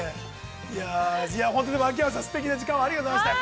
◆いや、本当に秋山さん、楽しい時間をありがとうございました。